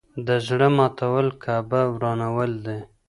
د زړه ماتول کعبه ورانول دي.